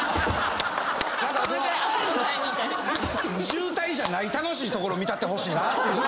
渋滞じゃない楽しいところ見たってほしいなっていう。